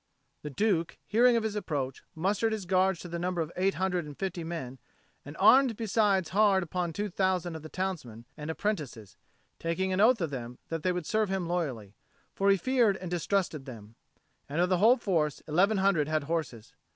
The Duke, hearing of his approach, mustered his Guards to the number of eight hundred and fifty men, and armed besides hard upon two thousand of the townsmen and apprentices, taking an oath of them that they would serve him loyally; for he feared and distrusted them; and of the whole force, eleven hundred had horses.